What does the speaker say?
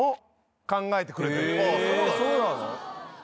そうなの？